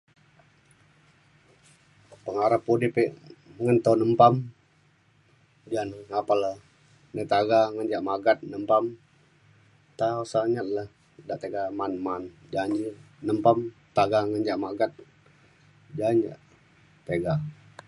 pengarap udip e ngan taun nempam ja ne apan le ngetaga ngan ja magat nempam ta sanget le tiga ma’an ma’an janji nempam taga ngan ja magat ja ja tiga.